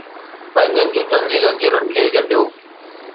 پنھنجن جوتن جي زنجيرن کي ڳنڍيو